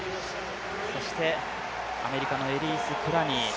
そしてアメリカのエリース・クラニー